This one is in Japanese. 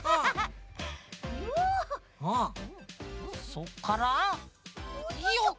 そっからよっ！